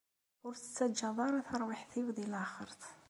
Ur tettaǧǧaḍ ara tarwiḥt-iw di laxert.